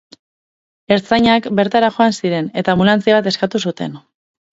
Ertzainak bertara joan ziren, eta anbulantzia bat eskatu zuten.